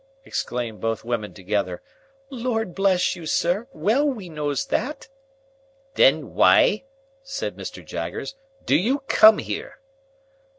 exclaimed both women together. "Lord bless you, sir, well we knows that!" "Then why," said Mr. Jaggers, "do you come here?"